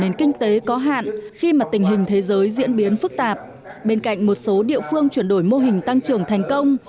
nền kinh tế có hạn khi mà tình hình thế giới diễn biến phức tạp bên cạnh một số địa phương chuyển đổi mô hình tăng trưởng thành công